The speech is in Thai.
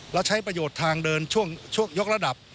แล้วใช้ประโยชน์ทางเดินช่วงยกระดับ